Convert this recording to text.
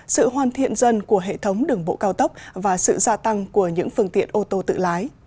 sự hoàn thiện dân của hệ thống đường bộ cao tốc và sự gia tăng của những phương tiện ô tô tự lái